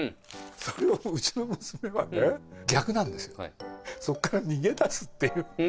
それをうちの娘は逆なんですよ、そこから逃げ出すっていう。